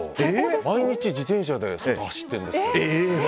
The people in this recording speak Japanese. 毎日自転車で走ってるんですけど。